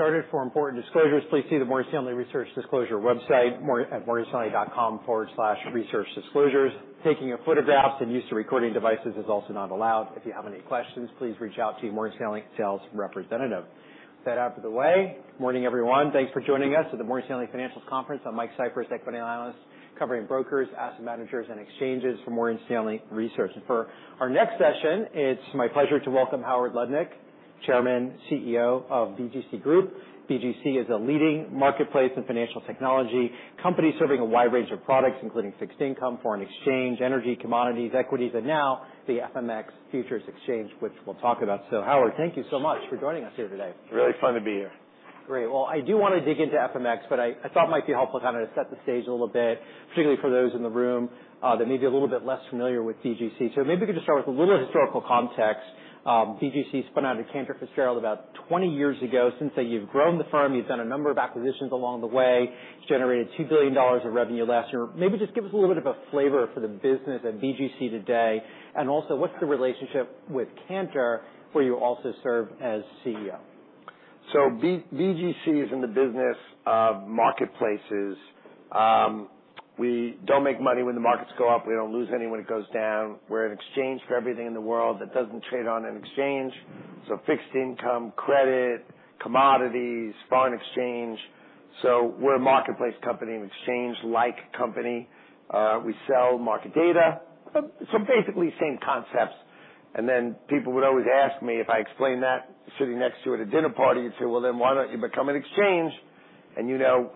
get started, for important disclosures, please see the Morgan Stanley Research Disclosure website, more at morganstanley.com/researchdisclosures. Taking of photographs and use of recording devices is also not allowed. If you have any questions, please reach out to your Morgan Stanley sales representative. With that out of the way, morning, everyone. Thanks for joining us at the Morgan Stanley Financial Conference. I'm Mike Cyprys, equity analyst, covering brokers, asset managers, and exchanges for Morgan Stanley Research. For our next session, it's my pleasure to welcome Howard Lutnick, Chairman and CEO of BGC Group. BGC is a leading marketplace in financial technology company serving a wide range of products, including fixed income, foreign exchange, energy, commodities, equities, and now the FMX Futures Exchange, which we'll talk about. So Howard, thank you so much for joining us here today. Really fun to be here. Great. Well, I do want to dig into FMX, but I thought it might be helpful kind of to set the stage a little bit, particularly for those in the room, that may be a little bit less familiar with BGC. So maybe we could just start with a little historical context. BGC spun out of Cantor Fitzgerald about 20 years ago. Since then, you've grown the firm, you've done a number of acquisitions along the way. It's generated $2 billion of revenue last year. Maybe just give us a little bit of a flavor for the business at BGC today, and also what's the relationship with Cantor, where you also serve as CEO? So BGC is in the business of marketplaces. We don't make money when the markets go up. We don't lose any when it goes down. We're in exchange for everything in the world that doesn't trade on an exchange, so fixed income, credit, commodities, foreign exchange. So we're a marketplace company, an exchange-like company. We sell market data. So basically same concepts. And then people would always ask me if I explain that sitting next to you at a dinner party and say, "Well, then why don't you become an exchange?" And you know,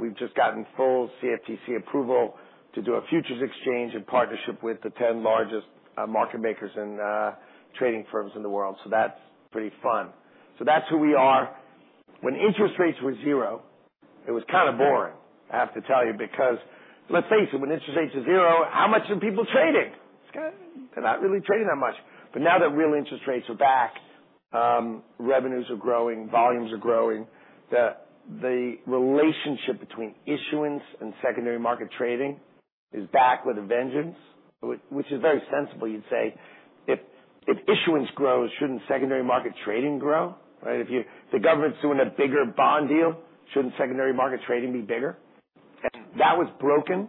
we've just gotten full CFTC approval to do a futures exchange in partnership with the 10 largest market makers and trading firms in the world. So that's pretty fun. So that's who we are. When interest rates were zero, it was kind of boring, I have to tell you, because let's face it, when interest rates are zero, how much are people trading? It's kind of—they're not really trading that much. But now that real interest rates are back, revenues are growing, volumes are growing, the relationship between issuance and secondary market trading is back with a vengeance, which is very sensible. You'd say, "If issuance grows, shouldn't secondary market trading grow?" Right? The government's doing a bigger bond deal, shouldn't secondary market trading be bigger? That was broken.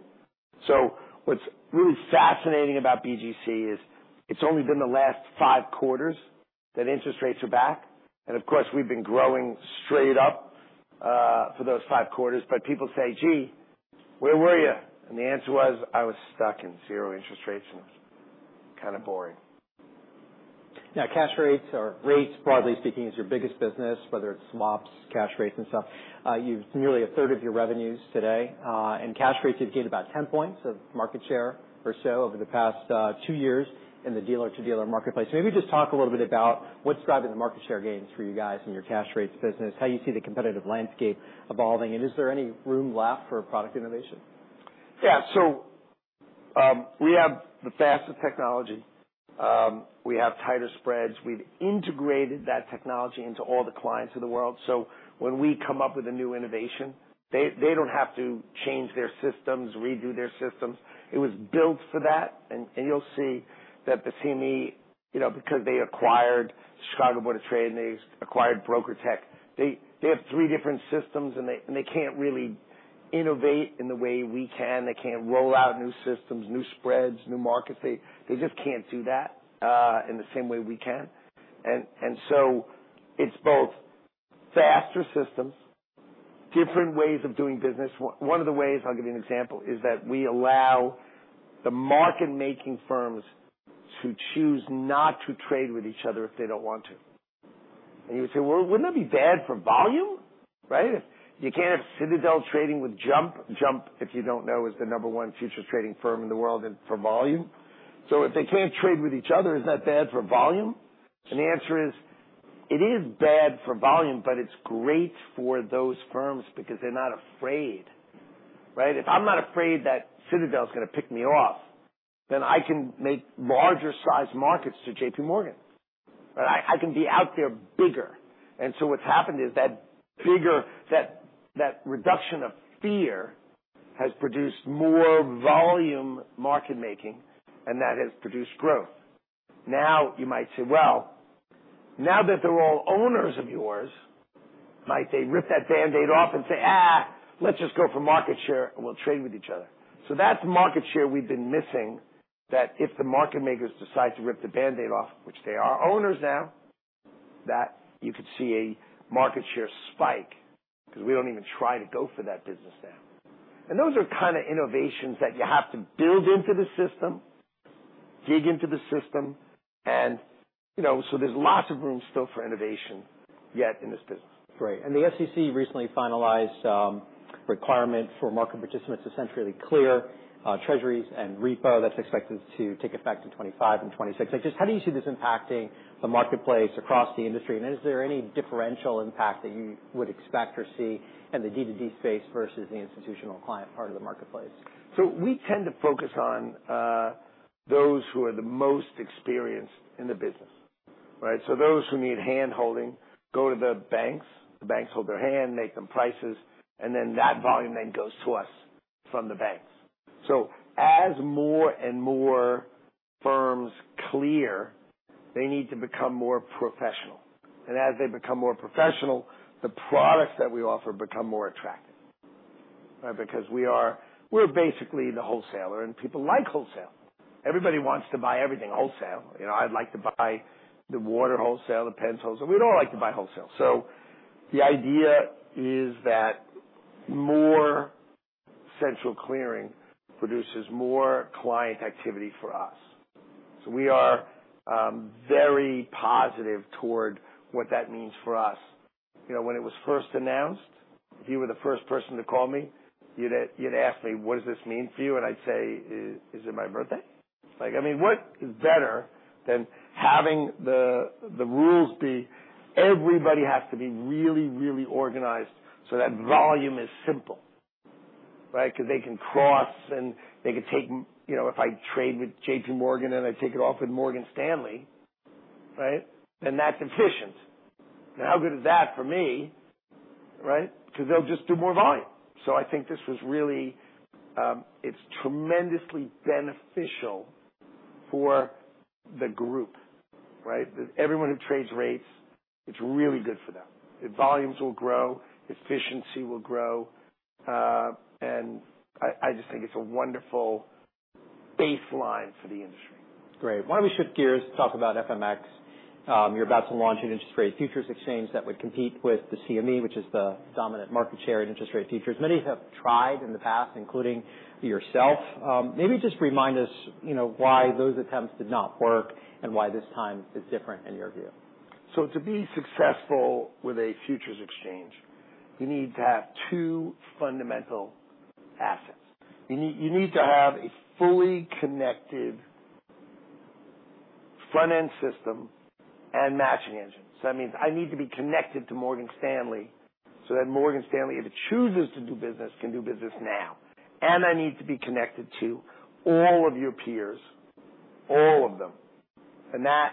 What's really fascinating about BGC is, it's only been the last five quarters that interest rates are back, and of course, we've been growing straight up for those five quarters. But people say, "Gee, where were you?" And the answer was: I was stuck in zero interest rates, and it was kind of boring. Now, cash rates or rates, broadly speaking, is your biggest business, whether it's swaps, cash rates, and stuff. It's nearly a third of your revenues today, and cash rates, you've gained about 10 points of market share or so over the past, 2 years in the dealer-to-dealer marketplace. So maybe just talk a little bit about what's driving the market share gains for you guys in your cash rates business, how you see the competitive landscape evolving, and is there any room left for product innovation? Yeah. So, we have the fastest technology. We have tighter spreads. We've integrated that technology into all the clients of the world. So when we come up with a new innovation, they, they don't have to change their systems, redo their systems. It was built for that, and, and you'll see that the CME, you know, because they acquired Chicago Board of Trade, and they acquired BrokerTec, they, they have three different systems, and they, and they can't really innovate in the way we can. They can't roll out new systems, new spreads, new markets. They, they just can't do that, in the same way we can. And, and so it's both faster systems, different ways of doing business. One, one of the ways, I'll give you an example, is that we allow the market-making firms to choose not to trade with each other if they don't want to. And you would say, "Well, wouldn't that be bad for volume?" Right? You can't have Citadel trading with Jump. Jump, if you don't know, is the number one futures trading firm in the world and for volume. So if they can't trade with each other, isn't that bad for volume? And the answer is: It is bad for volume, but it's great for those firms because they're not afraid, right? If I'm not afraid that Citadel is gonna pick me off, then I can make larger-sized markets to JP Morgan. Right? I, I can be out there bigger. And so what's happened is that bigger... That, that reduction of fear has produced more volume market making, and that has produced growth. Now, you might say, "Well, now that they're all owners of yours, might they rip that bandaid off and say, 'Ah, let's just go for market share, and we'll trade with each other?'" So that's market share we've been missing, that if the market makers decide to rip the bandaid off, which they are owners now, that you could see a market share spike because we don't even try to go for that business now. And those are kind of innovations that you have to build into the system, dig into the system, and, you know, so there's lots of room still for innovation, yet in this business. Great, and the SEC recently finalized requirement for market participants to centrally clear treasuries and repo. That's expected to take effect in 2025 and 2026. Like, just how do you see this impacting the marketplace across the industry? And is there any differential impact that you would expect or see in the D2D space versus the institutional client part of the marketplace? So we tend to focus on those who are the most experienced in the business, right? So those who need hand-holding go to the banks, the banks hold their hand, make them prices, and then that volume then goes to us from the banks. So as more and more firms clear, they need to become more professional. And as they become more professional, the products that we offer become more attractive, right? Because we're basically the wholesaler, and people like wholesale. Everybody wants to buy everything wholesale. You know, I'd like to buy the water wholesale, the pencils, we'd all like to buy wholesale. So the idea is that more central clearing produces more client activity for us. So we are very positive toward what that means for us. You know, when it was first announced, if you were the first person to call me, you'd ask me: What does this mean for you? And I'd say: Is it my birthday? Like, I mean, what is better than having the rules be, everybody has to be really, really organized, so that volume is simple, right? Because they can cross and they can take, you know, if I trade with JP Morgan and I take it off with Morgan Stanley, right? Then that's efficient. Now, how good is that for me, right? Because they'll just do more volume. So I think this was really, it's tremendously beneficial for the group, right? Everyone who trades rates, it's really good for them. Their volumes will grow, efficiency will grow, and I just think it's a wonderful baseline for the industry. Great. Why don't we shift gears to talk about FMX? You're about to launch an interest rate futures exchange that would compete with the CME, which is the dominant market share in interest rate futures. Many have tried in the past, including yourself. Maybe just remind us, you know, why those attempts did not work and why this time is different in your view. So to be successful with a futures exchange, you need to have two fundamental assets. You need, you need to have a fully connected front-end system and matching engine. So that means I need to be connected to Morgan Stanley, so that Morgan Stanley, if it chooses to do business, can do business now. And I need to be connected to all of your peers, all of them. And that,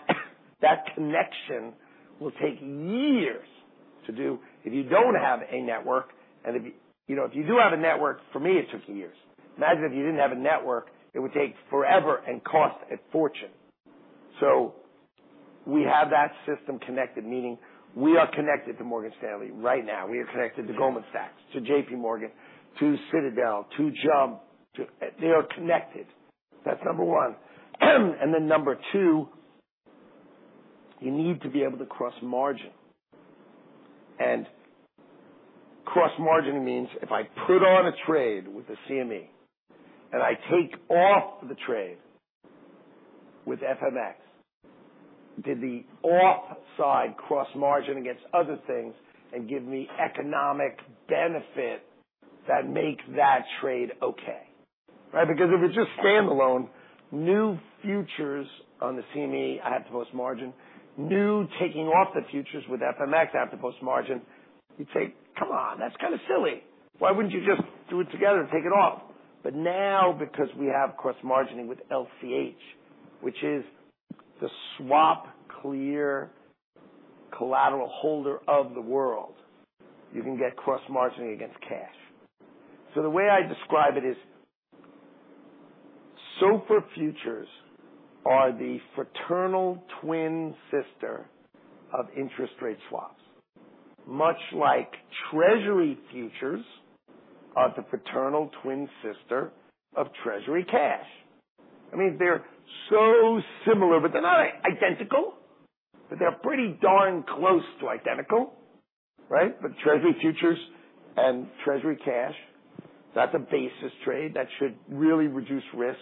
that connection will take years to do if you don't have a network, and if you... You know, if you do have a network, for me, it took years. Imagine if you didn't have a network, it would take forever and cost a fortune. So we have that system connected, meaning we are connected to Morgan Stanley right now. We are connected to Goldman Sachs, to JP Morgan, to Citadel, to Jump, to... They are connected. That's number one. And then number 2, you need to be able to cross margin. And cross margin means if I put on a trade with the CME, and I take off the trade with FMX, does the offset cross margin against other things and give me economic benefit that make that trade okay, right? Because if it's just standalone, new futures on the CME, I have to post margin. When taking off the futures with FMX, I have to post margin. You'd say, "Come on, that's kind of silly. Why wouldn't you just do it together and take it off?" But now, because we have cross margining with LCH, which is the SwapClear collateral holder of the world, you can get cross margining against cash. So the way I describe it is, SOFR futures are the fraternal twin sister of interest rate swaps, much like Treasury futures are the fraternal twin sister of Treasury cash. I mean, they're so similar, but they're not identical, but they're pretty darn close to identical, right? But Treasury futures and Treasury cash, that's a basis trade that should really reduce risk.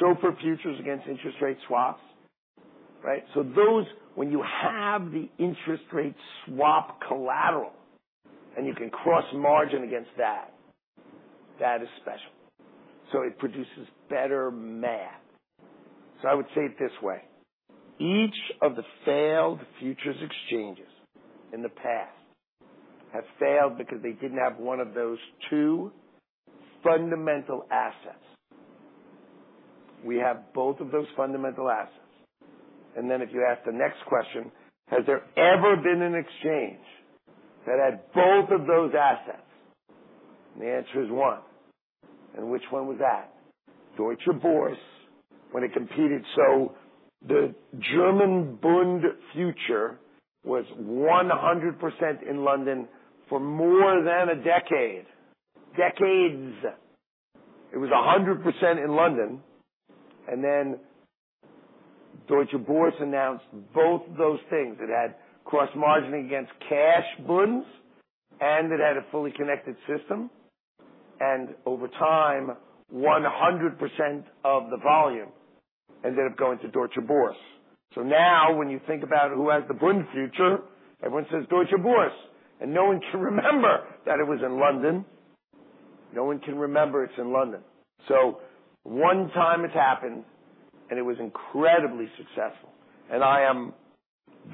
SOFR futures against interest rate swaps, right? So those, when you have the interest rate swap collateral, and you can cross margin against that, that is special. So it produces better math. So I would say it this way: Each of the failed futures exchanges in the past have failed because they didn't have one of those two fundamental assets. We have both of those fundamental assets. And then if you ask the next question, has there ever been an exchange that had both of those assets? The answer is one. Which one was that? Deutsche Börse, when it competed. The German Bund future was 100% in London for more than a decade. Decades. It was 100% in London, and then Deutsche Börse announced both those things. It had cross-margining against cash Bunds, and it had a fully connected system. Over time, 100% of the volume ended up going to Deutsche Börse. So now, when you think about who has the Bund future, everyone says Deutsche Börse, and no one can remember that it was in London. No one can remember it's in London. One time it's happened, and it was incredibly successful. I am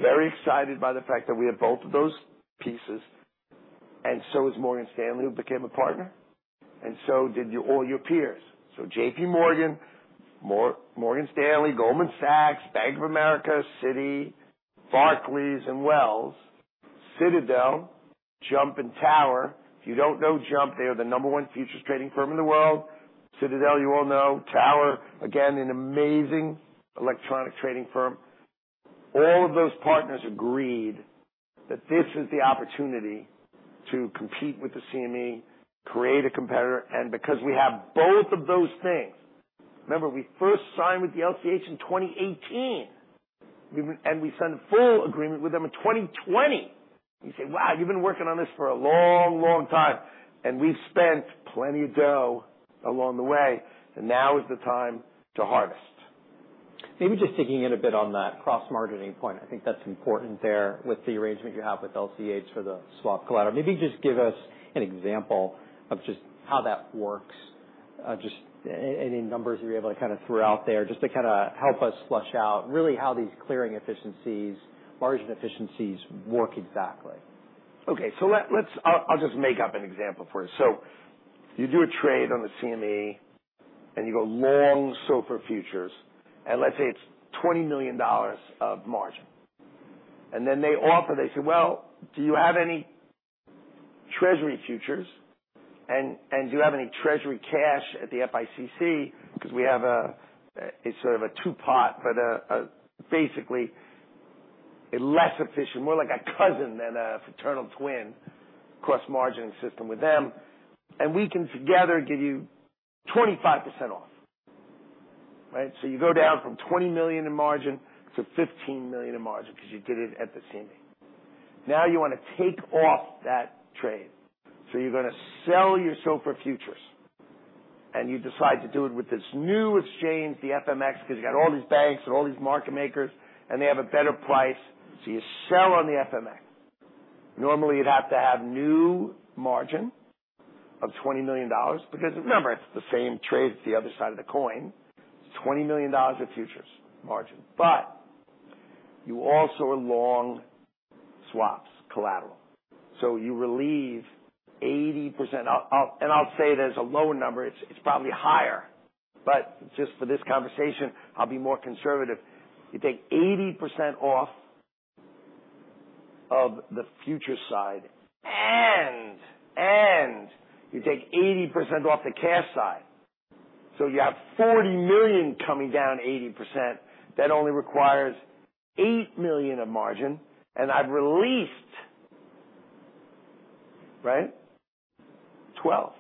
very excited by the fact that we have both of those pieces, and so is Morgan Stanley, who became a partner, and so did your, all your peers. So JP Morgan, Morgan Stanley, Goldman Sachs, Bank of America, Citi, Barclays, and Wells Fargo... Citadel, Jump and Tower. If you don't know Jump, they are the number one futures trading firm in the world. Citadel, you all know. Tower, again, an amazing electronic trading firm. All of those partners agreed that this is the opportunity to compete with the CME, create a competitor, and because we have both of those things... Remember, we first signed with the LCH in 2018, and we signed a full agreement with them in 2020. You say, "Wow, you've been working on this for a long, long time," and we've spent plenty of dough along the way, and now is the time to harvest. Maybe just digging in a bit on that cross-margining point. I think that's important there with the arrangement you have with LCH for the swap collateral. Maybe just give us an example of just how that works, any numbers you're able to kind of throw out there, just to kind of help us flesh out really how these clearing efficiencies, margin efficiencies work exactly. Okay. So let's, I'll just make up an example for you. So you do a trade on the CME, and you go long SOFR futures, and let's say it's $20 million of margin. And then they offer, they say, "Well, do you have any Treasury futures, and do you have any Treasury cash at the FICC?" 'Cause we have a, it's sort of a two-part, but basically a less efficient, more like a cousin than a fraternal twin, cross-margining system with them. And we can together give you 25% off, right? So you go down from $20 million in margin to $15 million in margin, 'cause you did it at the CME. Now you wanna take off that trade, so you're gonna sell your SOFR futures, and you decide to do it with this new exchange, the FMX, 'cause you've got all these banks and all these market makers, and they have a better price, so you sell on the FMX. Normally, you'd have to have new margin of $20 million because, remember, it's the same trade, it's the other side of the coin. $20 million of futures margin. But you also are long swaps collateral, so you relieve 80% off... And I'll say it as a lower number, it's probably higher, but just for this conversation, I'll be more conservative. You take 80% off of the futures side, and you take 80% off the cash side. So you have $40 million coming down 80%. That only requires $8 million of margin, and I've released, right? 12.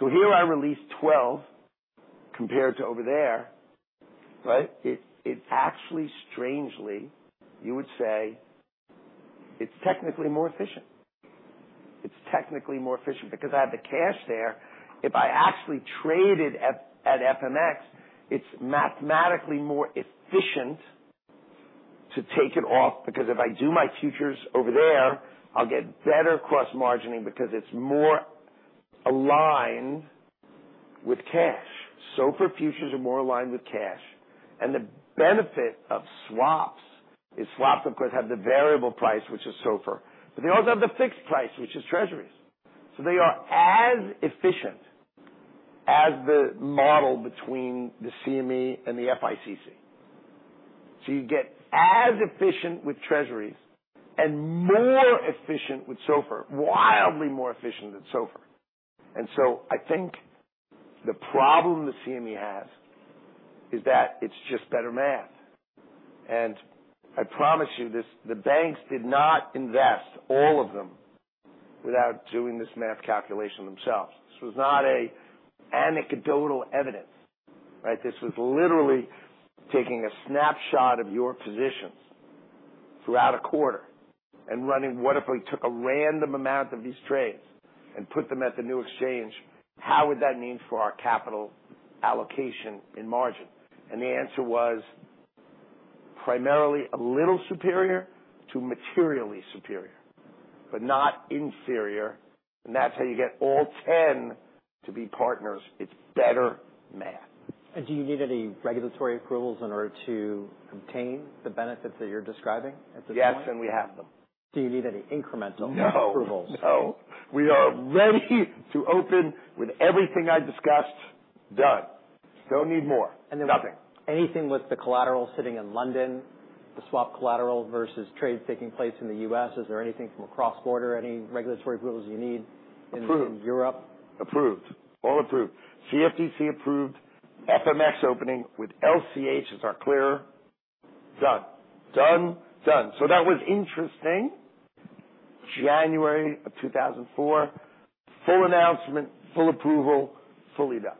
So here I released 12 compared to over there, right? It actually, strangely, you would say, it's technically more efficient. It's technically more efficient because I have the cash there. If I actually traded at FMX, it's mathematically more efficient to take it off, because if I do my futures over there, I'll get better cross-margining because it's more aligned with cash. SOFR futures are more aligned with cash, and the benefit of swaps, is swaps of course, have the variable price, which is SOFR, but they also have the fixed price, which is Treasuries. So they are as efficient as the model between the CME and the FICC. So you get as efficient with Treasuries and more efficient with SOFR, wildly more efficient than SOFR. So I think the problem the CME has is that it's just better math. And I promise you this, the banks did not invest, all of them, without doing this math calculation themselves. This was not an anecdotal evidence, right? This was literally taking a snapshot of your positions throughout a quarter and running, "What if we took a random amount of these trades and put them at the new exchange? How would that mean for our capital allocation in margin?" And the answer was primarily a little superior to materially superior, but not inferior. And that's how you get all ten to be partners. It's better math. Do you need any regulatory approvals in order to obtain the benefits that you're describing at this point? Yes, and we have them. Do you need any incremental- No. -approvals? No. We are ready to open with everything I discussed, done. Don't need more. Nothing. And then anything with the collateral sitting in London, the swap collateral versus trades taking place in the U.S., is there anything from a cross-border, any regulatory approvals you need- Approved. -in Europe? Approved. All approved. CFTC approved, FMX opening with LCH as our clearer, done, done, done. So that was interesting. January of 2004, full announcement, full approval, fully done.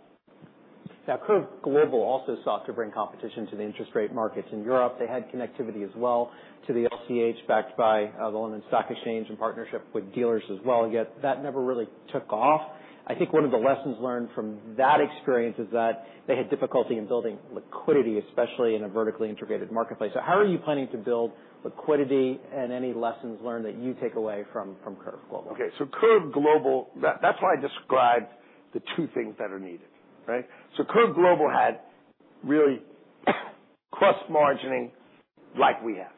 Now, CurveGlobal also sought to bring competition to the interest rate markets in Europe. They had connectivity as well to the LCH, backed by the London Stock Exchange in partnership with dealers as well, and yet that never really took off. I think one of the lessons learned from that experience is that they had difficulty in building liquidity, especially in a vertically integrated marketplace. So how are you planning to build liquidity and any lessons learned that you take away from CurveGlobal? Okay. So CurveGlobal, that's why I described the two things that are needed, right? So CurveGlobal had really cross-margining like we have.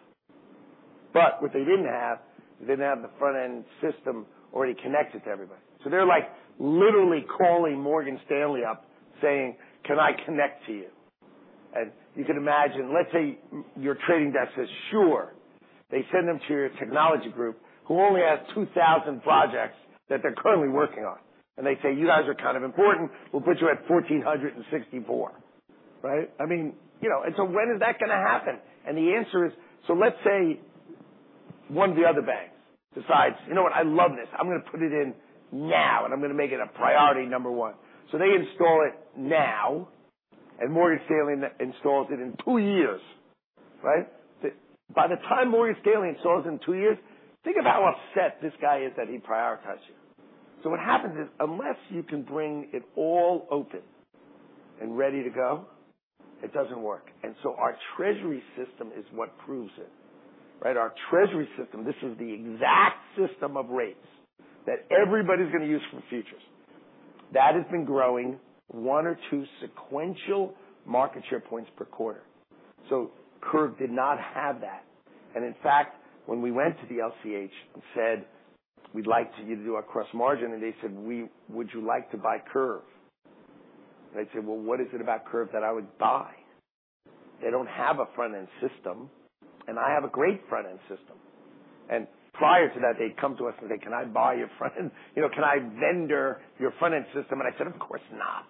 But what they didn't have, they didn't have the front-end system already connected to everybody. So they're like, literally calling Morgan Stanley up, saying, "Can I connect to you?" And you can imagine, let's say your trading desk says, "Sure." They send them to your technology group, who only has 2,000 projects that they're currently working on, and they say, "You guys are kind of important. We'll put you at 1,464," right? I mean, you know, and so when is that gonna happen? And the answer is, so let's say one of the other banks decides, "You know what? I love this. I'm gonna put it in now, and I'm gonna make it a priority number one." So they install it now, and Morgan Stanley installs it in two years, right? By the time Morgan Stanley installs it in two years, think of how upset this guy is that he prioritized you. So what happens is, unless you can bring it all open and ready to go, it doesn't work. And so our treasury system is what proves it, right? Our treasury system, this is the exact system of rates that everybody's gonna use for futures. That has been growing one or two sequential market share points per quarter. So Curve did not have that. And in fact, when we went to the LCH and said, "We'd like you to do our cross margin," and they said, "Would you like to buy Curve?" And I said, "Well, what is it about Curve that I would buy? They don't have a front-end system, and I have a great front-end system." And prior to that, they'd come to us and say, "Can I buy your front-end? You know, can I vendor your front-end system?" And I said, "Of course not.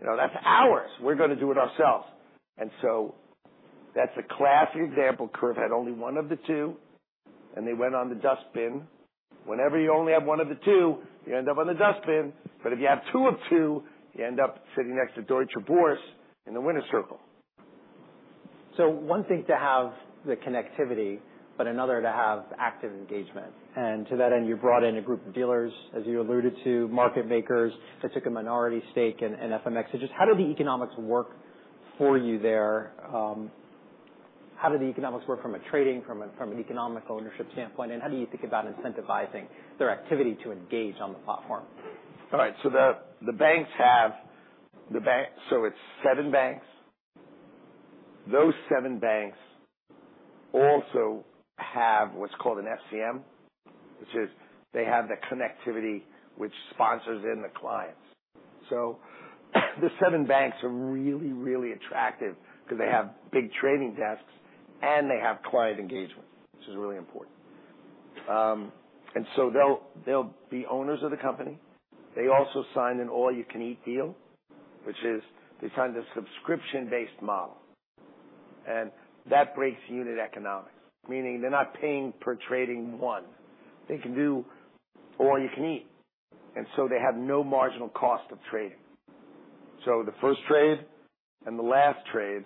You know, that's ours. We're gonna do it ourselves." And so that's a classic example. Curve had only one of the two, and they went on the dustbin. Whenever you only have one of the two, you end up on the dustbin, but if you have two of two, you end up sitting next to Deutsche Börse in the winner's circle. So one thing to have the connectivity, but another to have active engagement. And to that end, you brought in a group of dealers, as you alluded to, market makers, that took a minority stake in FMX. So just how do the economics work for you there? How do the economics work from a trading, from an economic ownership standpoint, and how do you think about incentivizing their activity to engage on the platform? All right, so the banks have... The banks, so it's seven banks. Those seven banks also have what's called an FCM, which is they have the connectivity, which sponsors in the clients. So, the seven banks are really, really attractive because they have big trading desks, and they have client engagement, which is really important. And so they'll be owners of the company. They also sign an all-you-can-eat deal, which is they sign the subscription-based model, and that breaks unit economics, meaning they're not paying per trading one. They can do all-you-can-eat, and so they have no marginal cost of trading. So the first trade and the last trade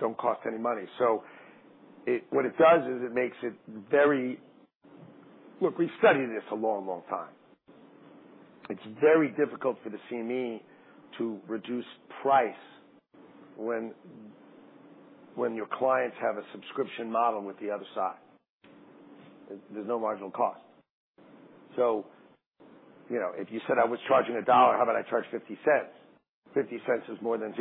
don't cost any money. So what it does is it makes it very... Look, we've studied this a long, long time. It's very difficult for the CME to reduce price when your clients have a subscription model with the other side. There's no marginal cost. So, you know, if you said I was charging $1, how about I charge $0.50? $0.50 is more than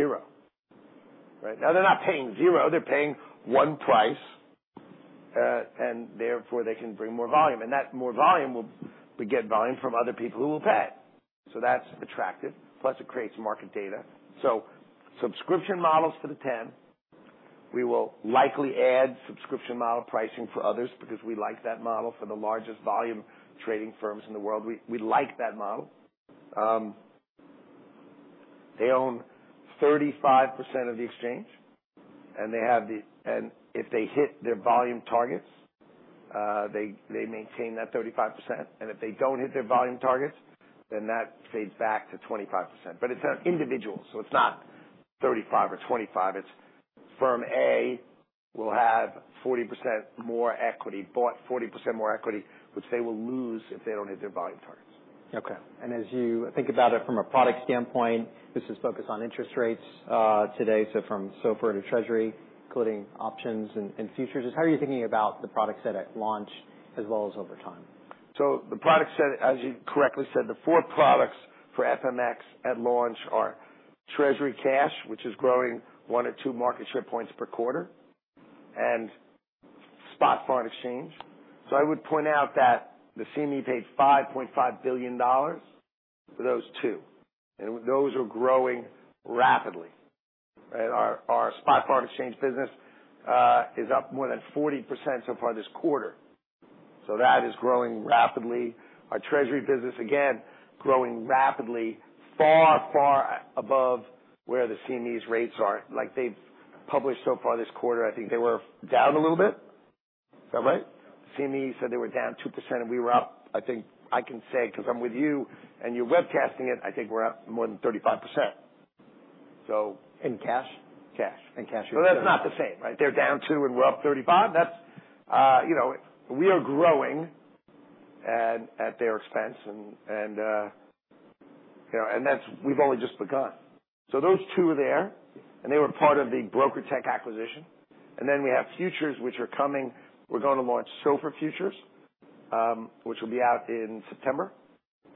0, right? Now, they're not paying 0. They're paying one price, and therefore, they can bring more volume, and that more volume will get volume from other people who will pay. So that's attractive, plus it creates market data. So subscription models for the 10, we will likely add subscription model pricing for others because we like that model for the largest volume trading firms in the world. We like that model. They own 35% of the exchange, and they have the... If they hit their volume targets, they maintain that 35%, and if they don't hit their volume targets, then that fades back to 25%. But it's an individual, so it's not 35% or 25%. It's firm A will have 40% more equity, bought 40% more equity, which they will lose if they don't hit their volume targets. Okay, and as you think about it from a product standpoint, this is focused on interest rates today, so from SOFR to Treasury, including options and, and futures, just how are you thinking about the product set at launch as well as over time? So the product set, as you correctly said, the four products for FMX at launch are Treasury Cash, which is growing 1 or 2 market share points per quarter, and Spot Foreign Exchange. So I would point out that the CME paid $5.5 billion for those two, and those are growing rapidly, right? Our Spot Foreign Exchange business is up more than 40% so far this quarter. So that is growing rapidly. Our treasury business, again, growing rapidly, far above where the CME's rates are. Like, they've published so far this quarter, I think they were down a little bit. Is that right? CME said they were down 2% and we were up, I think I can say, because I'm with you, and you're webcasting it, I think we're up more than 35%, so. In cash? Cash. In cash. But that's not the same, right? They're down 2, and we're up 35. That's, you know, we are growing at their expense, and, you know, and that's-- we've only just begun. So those two are there, and they were part of the BrokerTec acquisition. And then we have futures, which are coming. We're going to launch SOFR futures, which will be out in September,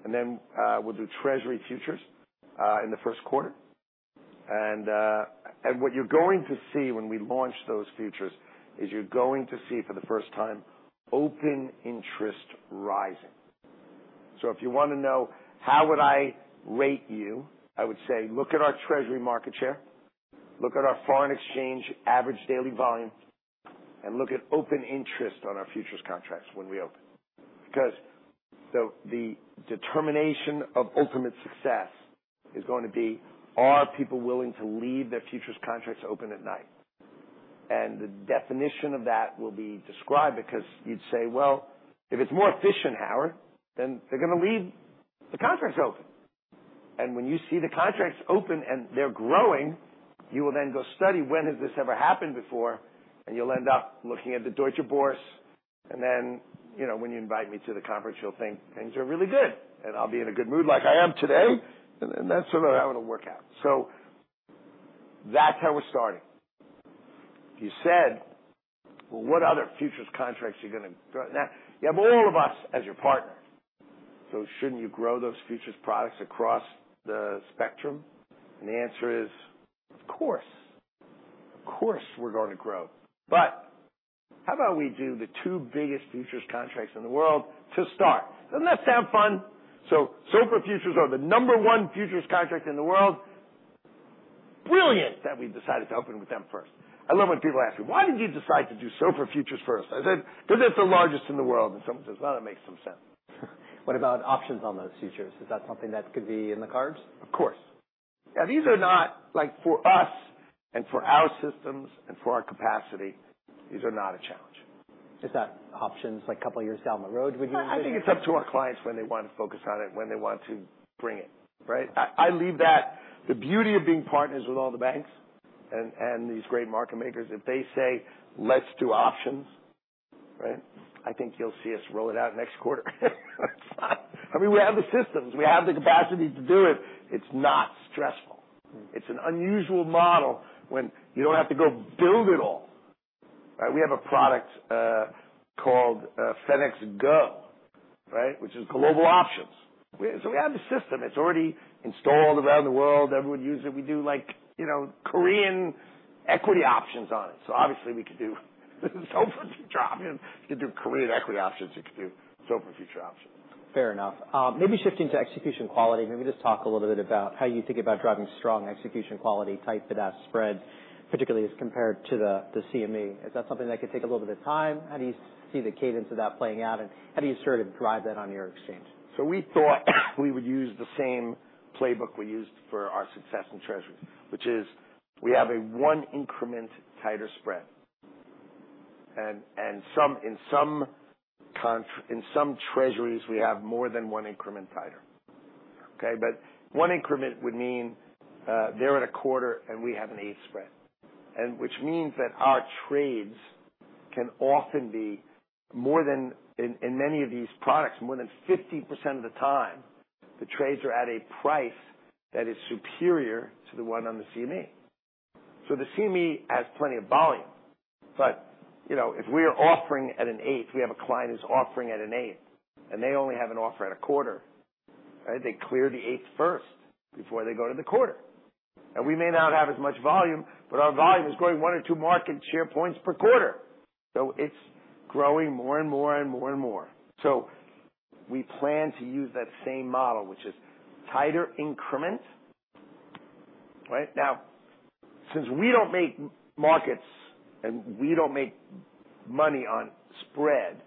and then, we'll do Treasury futures, in the first quarter. And, and what you're going to see when we launch those futures is you're going to see, for the first time, open interest rising... So if you wanna know, how would I rate you? I would say, look at our Treasury market share, look at our foreign exchange average daily volume, and look at open interest on our futures contracts when we open. Because the determination of ultimate success is going to be, are people willing to leave their futures contracts open at night? And the definition of that will be described because you'd say, "Well, if it's more efficient, Howard, then they're gonna leave the contracts open." And when you see the contracts open and they're growing, you will then go study when has this ever happened before, and you'll end up looking at the Deutsche Börse. And then, you know, when you invite me to the conference, you'll think things are really good, and I'll be in a good mood like I am today, and that's sort of how it'll work out. So that's how we're starting. You said, "Well, what other futures contracts you're gonna grow?" Now, you have all of us as your partner, so shouldn't you grow those futures products across the spectrum? The answer is, of course, of course, we're going to grow. But how about we do the two biggest futures contracts in the world to start? Doesn't that sound fun? So SOFR futures are the number one futures contract in the world. Brilliant that we decided to open with them first. I love when people ask me, "Why did you decide to do SOFR futures first?" I said, "Because they're the largest in the world," and someone says, "Well, that makes some sense. What about options on those futures? Is that something that could be in the cards? Of course. Now, these are not, like, for us and for our systems and for our capacity, these are not a challenge. Is that options like a couple of years down the road, would you- I think it's up to our clients when they want to focus on it, when they want to bring it, right? I, I leave that... The beauty of being partners with all the banks and, and these great market makers, if they say, "Let's do options," right? I think you'll see us roll it out next quarter. I mean, we have the systems, we have the capacity to do it. It's not stressful. It's an unusual model when you don't have to go build it all, right? We have a product called Fenics GO, right, which is global options. So we have the system, it's already installed around the world. Everyone uses it. We do like, you know, Korean equity options on it, so obviously, we could do SOFR future options. We could do Korean equity options, it could do SOFR future options. Fair enough. Maybe shifting to execution quality, maybe just talk a little bit about how you think about driving strong execution quality, tight bid-ask-spread, particularly as compared to the CME. Is that something that could take a little bit of time? How do you see the cadence of that playing out, and how do you sort of drive that on your exchange? So we thought we would use the same playbook we used for our success in Treasury, which is we have a one-increment tighter spread. And in some Treasuries, we have more than one increment tighter, okay? But one increment would mean, they're at a quarter, and we have an eighth spread, and which means that our trades can often be more than in many of these products, more than 50% of the time, the trades are at a price that is superior to the one on the CME. So the CME has plenty of volume, but, you know, if we are offering at an eighth, we have a client who's offering at an eighth, and they only have an offer at a quarter, right? They clear the eighth first before they go to the quarter. And we may not have as much volume, but our volume is growing one or two market share points per quarter, so it's growing more and more and more and more. So we plan to use that same model, which is tighter increment, right? Now, since we don't make markets and we don't make money on spread,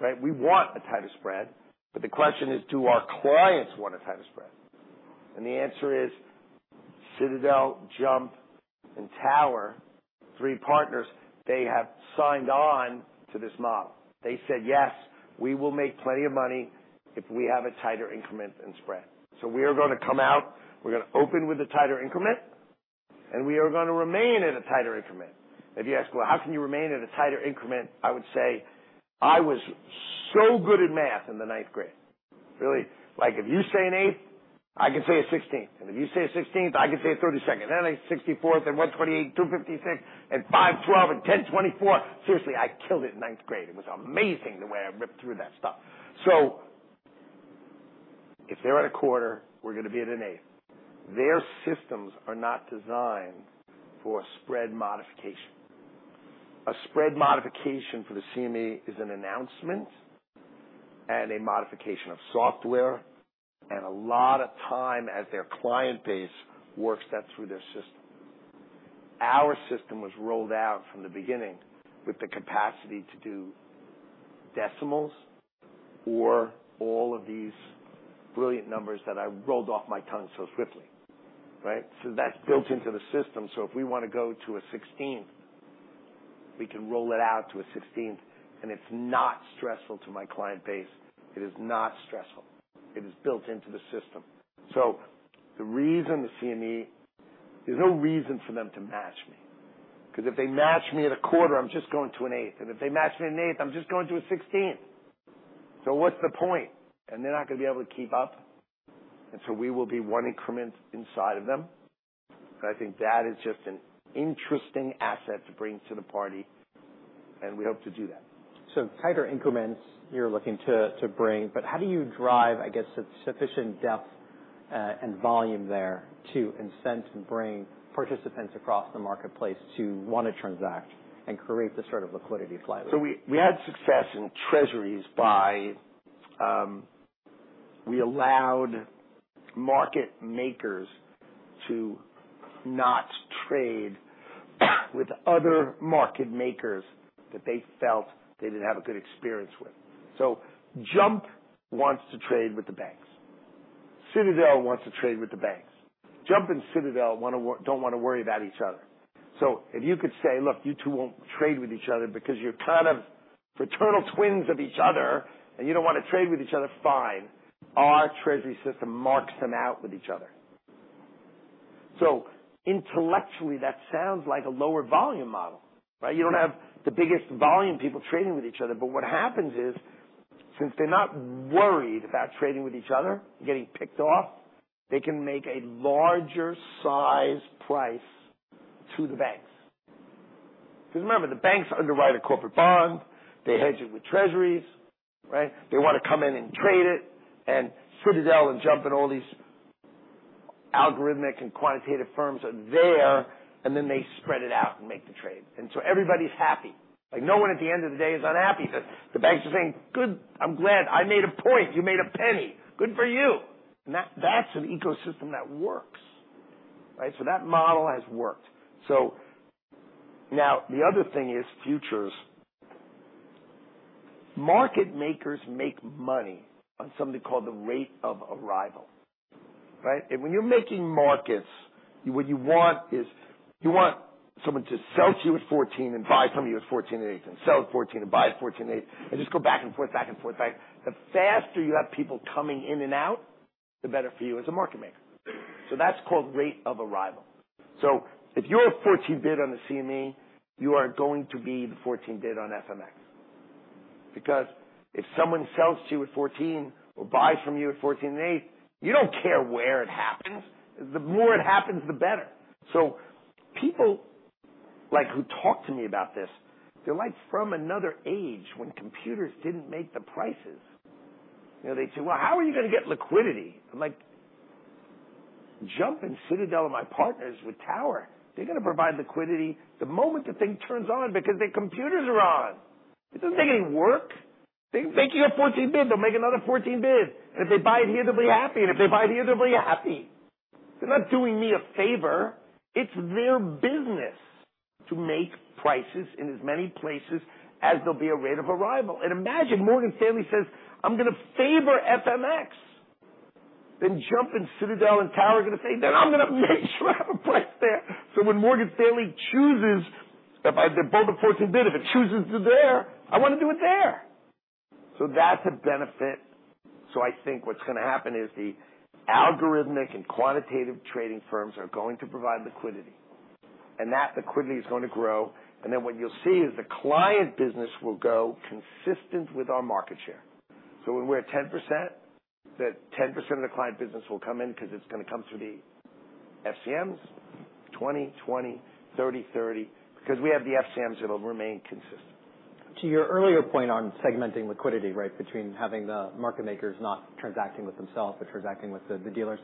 right? We want a tighter spread, but the question is, do our clients want a tighter spread? And the answer is Citadel, Jump, and Tower, three partners, they have signed on to this model. They said, "Yes, we will make plenty of money if we have a tighter increment and spread." So we are gonna come out, we're gonna open with a tighter increment, and we are gonna remain at a tighter increment. If you ask, "Well, how can you remain at a tighter increment?" I would say, "I was so good at math in the ninth grade." Really, like, if you say an eighth, I can say a sixteenth, and if you say a sixteenth, I can say a thirty-second, and a sixty-fourth, and one twenty-eight, two fifty-six, and five twelve, and ten twenty-four. Seriously, I killed it in ninth grade. It was amazing the way I ripped through that stuff. So if they're at a quarter, we're gonna be at an eighth. Their systems are not designed for spread modification. A spread modification for the CME is an announcement and a modification of software, and a lot of time as their client base works that through their system. Our system was rolled out from the beginning with the capacity to do decimals or all of these brilliant numbers that I rolled off my tongue so swiftly, right? So that's built into the system, so if we wanna go to a sixteenth, we can roll it out to a sixteenth, and it's not stressful to my client base. It is not stressful. It is built into the system. So the reason the CME... There's no reason for them to match me, because if they match me at a quarter, I'm just going to an eighth, and if they match me an eighth, I'm just going to a sixteenth. So what's the point? And they're not gonna be able to keep up, and so we will be one increment inside of them. I think that is just an interesting asset to bring to the party, and we hope to do that. So tighter increments you're looking to, to bring, but how do you drive, I guess, sufficient depth? And volume there to incent and bring participants across the marketplace to want to transact and create the sort of liquidity flywheel? So we had success in Treasuries by we allowed market makers to not trade with other market makers that they felt they didn't have a good experience with. So Jump wants to trade with the banks. Citadel wants to trade with the banks. Jump and Citadel don't wanna worry about each other. So if you could say, "Look, you two won't trade with each other because you're kind of fraternal twins of each other, and you don't wanna trade with each other," fine. Our treasury system marks them out with each other. So intellectually, that sounds like a lower volume model, right? You don't have the biggest volume people trading with each other. But what happens is, since they're not worried about trading with each other and getting picked off, they can make a larger size price to the banks. Because remember, the banks underwrite a corporate bond. They hedge it with Treasuries, right? They wanna come in and trade it, and Citadel and Jump and all these algorithmic and quantitative firms are there, and then they spread it out and make the trade. And so everybody's happy. Like, no one at the end of the day is unhappy. The banks are saying, "Good. I'm glad I made a point. You made a penny. Good for you." And that's an ecosystem that works, right? So that model has worked. So now the other thing is futures. Market makers make money on something called the rate of arrival, right? And when you're making markets, what you want is, you want someone to sell to you at 14 and buy from you at 14 and 1/8, and sell at 14 and buy at 14 and 1/8, and just go back and forth, back and forth. Like, the faster you have people coming in and out, the better for you as a market maker. So that's called rate of arrival. So if you're a 14 bid on the CME, you are going to be the 14 bid on FMX. Because if someone sells to you at 14 or buys from you at 14 and 1/8, you don't care where it happens. The more it happens, the better. So people, like, who talk to me about this, they're like, from another age, when computers didn't make the prices. You know, they'd say, "Well, how are you gonna get liquidity?" I'm like: Jump and Citadel are my partners with Tower. They're gonna provide liquidity the moment the thing turns on, because their computers are on. It doesn't take any work. They can make you a 14 bid, they'll make another 14 bid. And if they buy it here, they'll be happy, and if they buy it here, they'll be happy. They're not doing me a favor. It's their business to make prices in as many places as there'll be a rate of arrival. And imagine Morgan Stanley says, "I'm gonna favor FMX," then Jump and Citadel and Tower are gonna say, "Then I'm gonna make sure I have a place there." So when Morgan Stanley chooses, if I have both the 14 bid, if it chooses to there, I wanna do it there. So that's a benefit. So I think what's gonna happen is the algorithmic and quantitative trading firms are going to provide liquidity, and that liquidity is gonna grow. And then what you'll see is the client business will go consistent with our market share. So when we're at 10%, that 10% of the client business will come in, because it's gonna come through the FCMs, 20, 20, 30, 30, because we have the FCMs, it'll remain consistent. To your earlier point on segmenting liquidity, right, between having the market makers not transacting with themselves, but transacting with the, the dealers,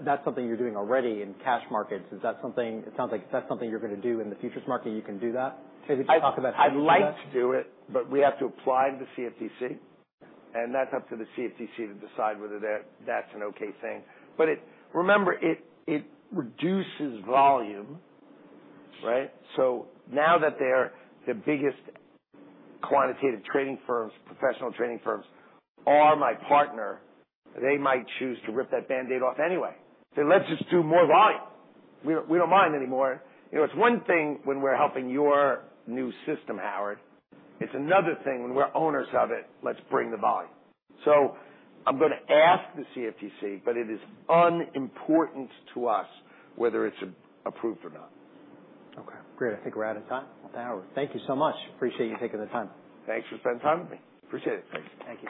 that's something you're doing already in cash markets. Is that something... It sounds like, is that something you're gonna do in the futures market, you can do that? Maybe just talk about- I'd like to do it, but we have to apply to the CFTC, and that's up to the CFTC to decide whether that's an okay thing. But it... Remember, it reduces volume, right? So now that they're the biggest quantitative trading firms, professional trading firms, are my partner, they might choose to rip that Band-Aid off anyway. Say, "Let's just do more volume. We don't mind anymore. You know, it's one thing when we're helping your new system, Howard. It's another thing when we're owners of it, let's bring the volume." So I'm gonna ask the CFTC, but it is unimportant to us whether it's approved or not. Okay, great. I think we're out of time, Howard. Thank you so much. Appreciate you taking the time. Thanks for spending time with me. Appreciate it. Thank you.